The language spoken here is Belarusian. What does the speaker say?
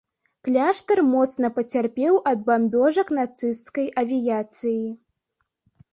Кляштар моцна пацярпеў ад бамбёжак нацысцкай авіяцыі.